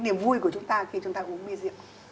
niềm vui của chúng ta khi chúng ta uống bia rượu